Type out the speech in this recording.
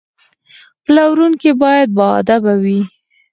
پلورونکی باید باادبه وي.